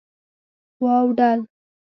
واوډل